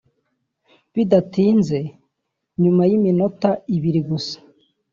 Bidatinze nyuma y’iminota ibiri gusa